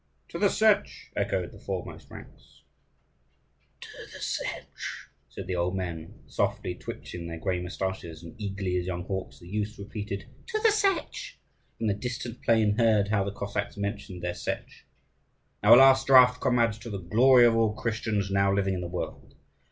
"To the Setch!" echoed the foremost ranks. "To the Setch!" said the old men, softly, twitching their grey moustaches; and eagerly as young hawks, the youths repeated, "To the Setch!" And the distant plain heard how the Cossacks mentioned their Setch. "Now a last draught, comrades, to the glory of all Christians now living in the world!"